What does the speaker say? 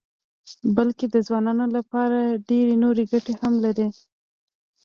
بلکې د ځوانانو لپاره ډېرې نورې ګټې هم لري.